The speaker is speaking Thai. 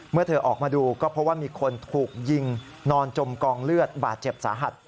เมื่อเธอออกมาดูก็เพราะว่ามีคนถูกยิงนอนจมกองเลือดบาดเจ็บสาหัส